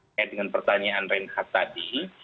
kayak dengan pertanyaan reynchard tadi